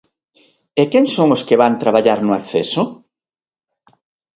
¿E quen son os que van traballar no acceso?